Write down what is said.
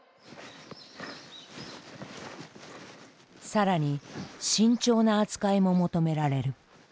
更に慎重な扱いも求められる。